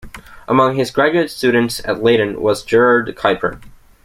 Among his graduate students at Leiden was Gerard Kuiper.